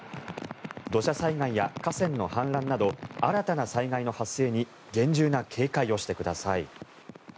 土砂災害や河川の氾濫など新たな災害の発生に厳重な警戒をしてください。